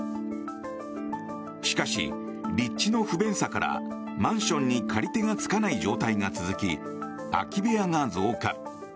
しかし、立地の不便さからマンションに借り手がつかない状態が続き空き部屋が増加。